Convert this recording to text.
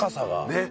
ねっ。